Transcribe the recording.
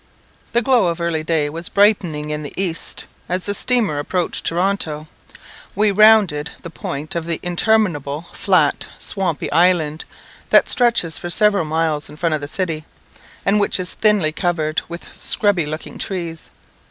The glow of early day was brightening in the east, as the steamer approached Toronto. We rounded the point of the interminable, flat, swampy island, that stretches for several miles in front of the city, and which is thinly covered with scrubby looking trees.